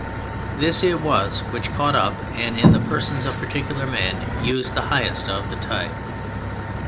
This it was which caught up and, in the persons of particular men, used the highest of the tide.